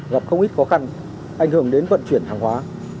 gặp không ít khó khăn ảnh hưởng đến vận chuyển hàng hóa